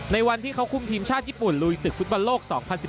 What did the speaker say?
ในวันที่เขาคุมทีมชาติญี่ปุ่นลุยศึกฟุตบอลโลก๒๐๑๘